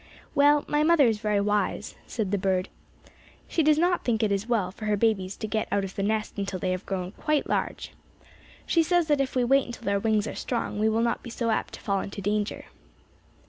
"Well, my mother is very wise," said the bird. "She does not think it well for her babies to get out of the nest until they have grown quite large. She says that if we wait until our wings are strong we will not be so apt to fall into danger.